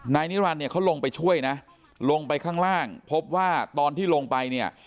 นายนี่รันเขาลงไปช่วยนะลงไปข้างล่างพบว่าตอนที่ลงไป